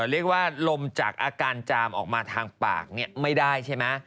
ลมจากอาการจามออกมาทางปากไม่ได้ใช่ไหม